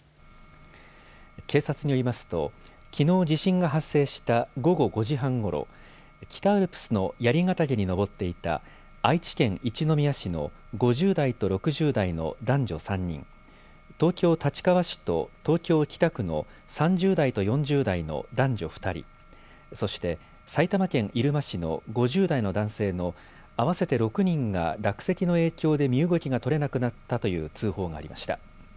警察によりますときのう地震が発生した午後５時半ごろ北アルプスの槍ヶ岳に登っていた愛知県一宮市の５０代と６０代の男女３人、東京立川市と東京北区の３０代と４０代の男女２人、そして埼玉県入間市の５０代の男性の合わせて６人が落石の影響で身動きが取れなくなったという通報がありました。